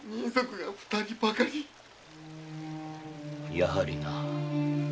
やはりな。